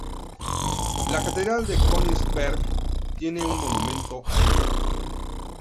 La Catedral de Königsberg tiene un monumento a ella.